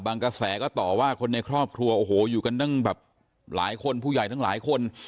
กระแสก็ต่อว่าคนในครอบครัวโอ้โหอยู่กันตั้งแบบหลายคนผู้ใหญ่ทั้งหลายคน